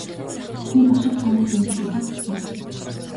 Би бошигт хааныг дэмжиж өдий хүрсэн.